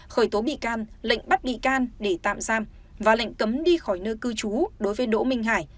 khởi tố bị can lệnh bắt bị can để tạm giam và lệnh cấm đi khỏi nơi cư trú đối với đỗ minh hải